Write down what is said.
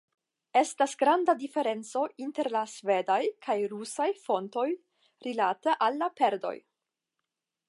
Estas granda diferenco inter la svedaj kaj rusaj fontoj rilate al la perdoj.